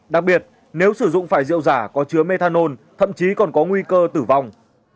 đặc biệt nếu sử dụng phải rượu giả có chứa methanol thậm chí còn có nguy cơ tử vong